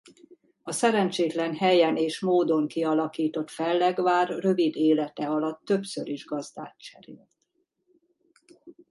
A szerencsétlen helyen és módon kialakított fellegvár rövid élete alatt többször is gazdát cserélt.